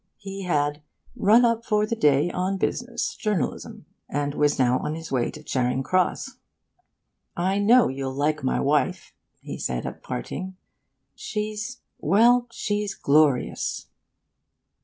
He had 'run up for the day, on business journalism' and was now on his way to Charing Cross. 'I know you'll like my wife,' he said at parting. She's well, she's glorious.